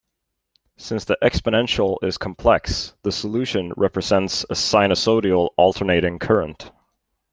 Since the exponential is complex, the solution represents a sinusoidal alternating current.